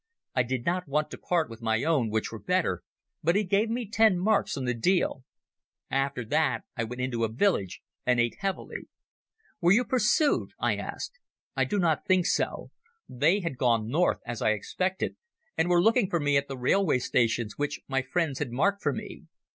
I did not want to part with my own, which were better, but he gave me ten marks on the deal. After that I went into a village and ate heavily." Peter meant a Polish Jew pedlar. "Were you pursued?" I asked. "I do not think so. They had gone north, as I expected, and were looking for me at the railway stations which my friends had marked for me.